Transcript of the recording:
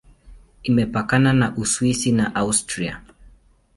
Imepakana na Uswisi na Austria.